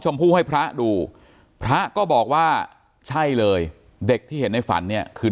ผู้ให้พระดูพระก็บอกว่าใช่เลยเด็กที่เห็นในฝันเนี่ยคือ